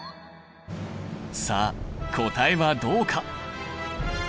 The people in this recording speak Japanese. さあ答えはどうか！？